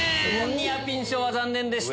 ニアピン賞は残念でした。